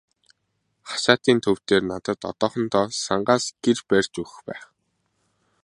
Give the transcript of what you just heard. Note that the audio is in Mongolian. Хашаатын төв дээр надад одоохондоо сангаас гэр барьж өгөх байх.